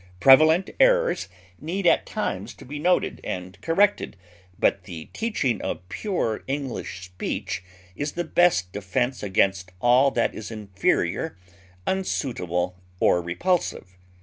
Prevalent errors need at times to be noted and corrected, but the teaching of pure English speech is the best defense against all that is inferior, unsuitable, or repulsive.